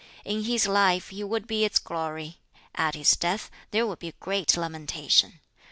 In his life he would be its glory, at his death there would be great lamentation.